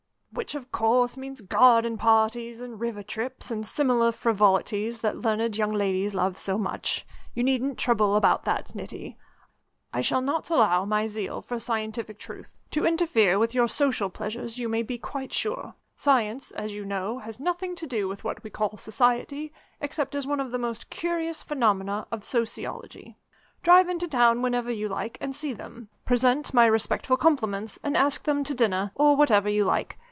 "Which, of course, means garden parties and river trips, and similar frivolities that learned young ladies love so much. You needn't trouble about that, Niti. I shall not allow my zeal for scientific truth to interfere with your social pleasures, you may be quite sure. Science, as you know, has nothing to do with what we call Society, except as one of the most curious phenomena of Sociology. Drive into town whenever you like and see them. Present my respectful compliments, and ask them to dinner, or whatever you like.